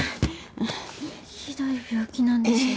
ひどい病気なんでしょ？